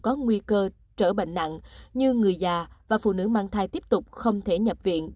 có nguy cơ trở bệnh nặng như người già và phụ nữ mang thai tiếp tục không thể nhập viện